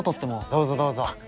どうぞどうぞ。